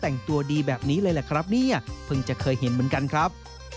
พันพูดเหตุตัวดีแบบนี้แหละครับนี่เพิ่งจะคือเห็นเหมือนกันครับ